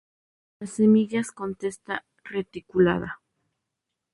Las semillas con testa reticulada.